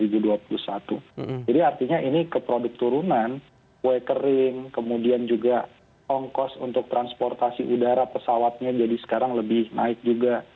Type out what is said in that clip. artinya ini ke produk turunan kue kering kemudian juga ongkos untuk transportasi udara pesawatnya jadi sekarang lebih naik juga